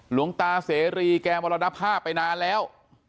หลวงตาเสรีแกมรณภาพไปนานแล้ว